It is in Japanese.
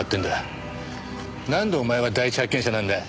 なんでお前は第一発見者なんだ？